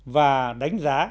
và đánh giá